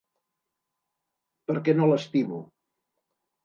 Perquè no l'estimo.